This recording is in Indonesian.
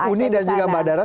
uni dan juga badara